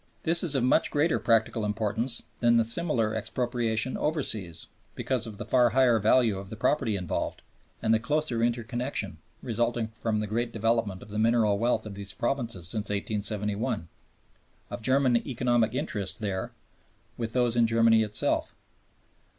This is of much greater practical importance than the similar expropriation overseas because of the far higher value of the property involved and the closer interconnection, resulting from the great development of the mineral wealth of these provinces since 1871, of German economic interests there with those in Germany itself.